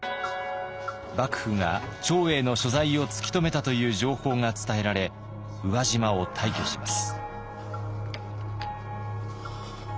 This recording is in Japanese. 幕府が長英の所在を突き止めたという情報が伝えられ宇和島を退去します。